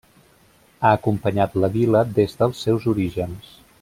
Ha acompanyat la vila des dels seus orígens.